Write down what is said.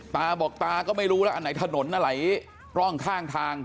ตาบอกตาก็ไม่รู้แล้วอันไหนถนนอันไหนกล้องข้างทาง